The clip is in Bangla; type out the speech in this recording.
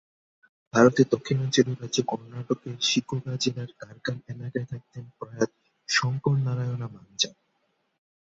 ভারতের দক্ষিণাঞ্চলীয় রাজ্য কর্ণাটকের শিকোগা জেলার কারগাল এলাকায় থাকতেন প্রয়াত শংকরানারায়ণা মাঞ্জা।